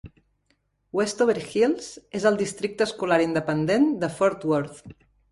Westover Hills és al districte escolar independent de Fort Worth.